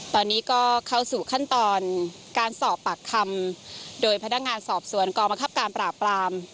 ตอนนี้ก็เข้าสู่ขั้นตอนการสอบปากคำโดยพนักงานสอบสวนกองบังคับการปราบปราม